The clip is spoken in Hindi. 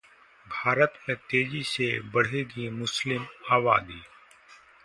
भारत में तेजी से बढ़ेगी मुस्लिम आबादी